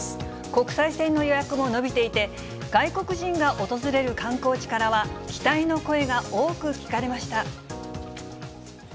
国際線の予約も伸びていて、外国人が訪れる観光地からは、期待の声が多く聞かれました。